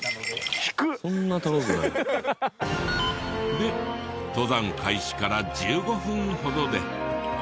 で登山開始から１５分ほどで。